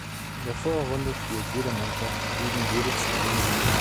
In einer Vorrunde spielt jede Mannschaft gegen jede zwei Mal.